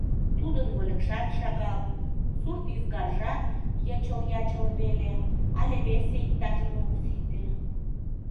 Тудын вольыкшат шагал, сурт ӱзгаржат йычыл-ячыл веле, але весе иктаж-мо ок сите.